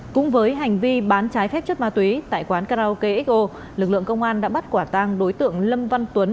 cũng với hành vi bán trái phép chất ma túy tại quán karaoke xo lực lượng công an đã bắt quả tang đối tượng lâm văn tuấn